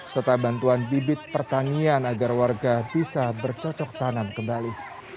serta bantuan bibit pertanian agar warga bisa bercocok tanam kembali